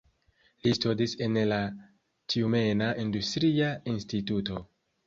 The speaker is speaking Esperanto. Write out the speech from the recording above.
Li studis en la Tjumena Industria Instituto.